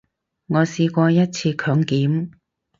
我試過一次強檢